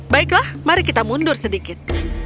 baiklah mari kita mundur sedikit